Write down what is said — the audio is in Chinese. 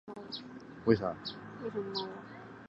江西省新昌县棠浦镇沐溪村人。